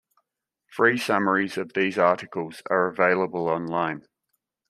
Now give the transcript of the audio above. Free summaries of these articles are available online.